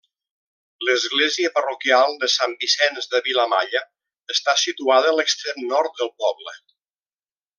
L'església parroquial de Sant Vicenç de Vilamalla està situada a l'extrem nord del poble.